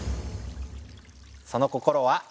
その心は？